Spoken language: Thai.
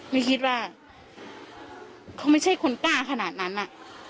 ไม่คิดว่าเขาไม่ใช่คนกล้าขนาดนั้นอ่ะ